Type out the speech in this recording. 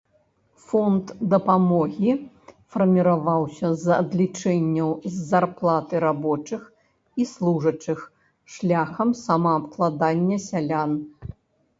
Фонд дапамогі фарміраваўся з адлічэнняў з зарплаты рабочых і служачых, шляхам самаабкладання сялян.